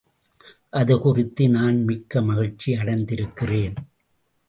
அது குறித்து நான் மிக்க மகிழ்ச்சி அடைந்திருக்கிறேன்.